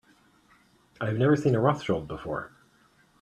I have never seen a Rothschild before.